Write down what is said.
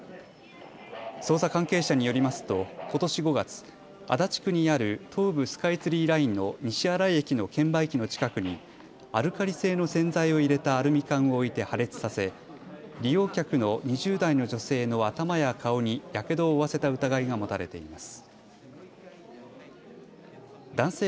捜査関係者によりますとことし５月、足立区にある東武スカイツリーラインの西新井駅の券売機の近くにアルカリ性の洗剤を入れたアルミ缶を置いて破裂させ利用客の２０代の女性の頭や顔にやけどを負わせた疑いが持たれています。